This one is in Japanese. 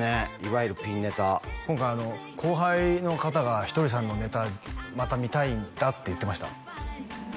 いわゆるピンネタ今回後輩の方が「ひとりさんのネタまた見たいんだ」って言ってました